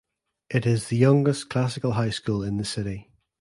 It is the youngest classical high school in the city.